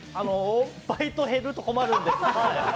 バイト減ると困るんで。